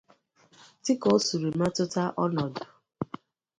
dịka o siri metụta ọnọdụ